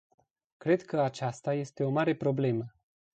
Cred că aceasta este o mare problemă.